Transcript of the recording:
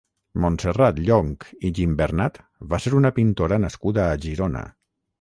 Montserrat Llonch i Gimbernat va ser una pintora nascuda a Girona.